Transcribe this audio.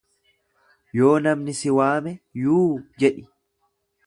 Yoo namni si waame yuu jedhi.